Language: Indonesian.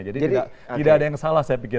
jadi tidak ada yang salah saya pikir